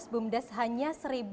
bum desa hanya seribu dua puluh dua